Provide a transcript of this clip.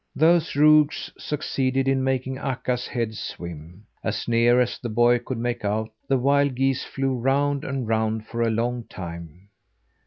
Those rogues succeeded in making Akka's head swim. As near as the boy could make out, the wild geese flew round and round for a long time.